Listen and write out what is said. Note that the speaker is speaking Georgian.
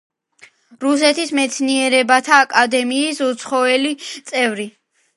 რუსეთის მეცნიერებათა აკადემიის უცხოელი წევრი.